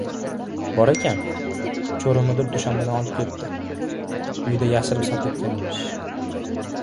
— Bor ekan. Chori mudir Dushanbadan olib kelibdi. Uyida yashirib sotayotgan emish.